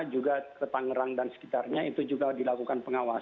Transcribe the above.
juga ke tangerang dan sekitarnya itu juga dilakukan pengawasan